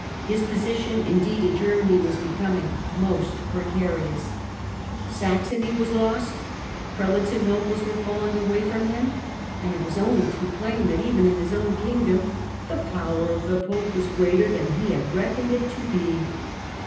His position indeed in Germany was becoming most pre carious: Saxony was lost; prelates and nobles were falling away from him, and it was only too plain that, even in his own kingdom, the power of the pope was greater than he had reckoned it to be.